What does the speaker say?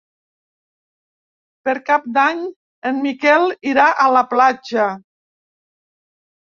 Per Cap d'Any en Miquel irà a la platja.